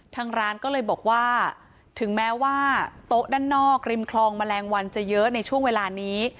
ทางร้านก็เลยบอกว่าถึงแม้ว่าโต๊ะด้านนอกริมคลองแมลงวันจะเยอะในช่วงเวลานี้